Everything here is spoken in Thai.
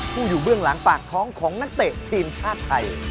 อยู่เบื้องหลังปากท้องของนักเตะทีมชาติไทย